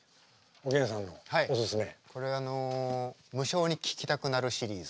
これ無性に聴きたくなるシリーズ。